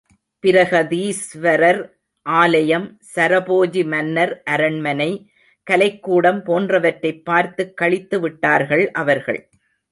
பிரகதீஸ்வரர் ஆலயம், சரபோஜி மன்னர் அரண்மனை, கலைக்கூடம் போன்றவற்றைப் பார்த்துக் களித்துவிட்டார்கள் அவர்கள்.